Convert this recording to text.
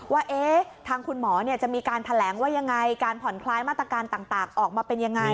ว่าทางคุณหมอจะมีการแถลงว่ายังไงการผ่อนคลายมาตรการต่างออกมาเป็นยังไง